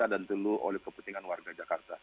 dan itu akan diperhatikan dulu oleh kepentingan warga jakarta